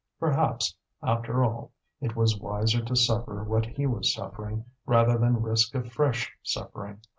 Perhaps, after all, it was wiser to suffer what he was suffering rather than risk a fresh suffering.